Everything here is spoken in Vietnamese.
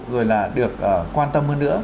rồi là được quan tâm hơn nữa